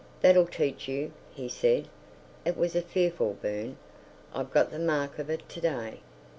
"That'll teach you!" he said. It was a fearful burn. I've got the mark of it to day.